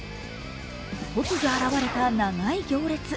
突如現れた長い行列。